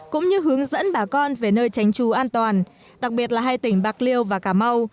cũng như hướng dẫn bà con về nơi tránh trú an toàn đặc biệt là hai tỉnh bạc liêu và cà mau